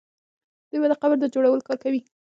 دوی به د قبر د جوړولو کار کوي.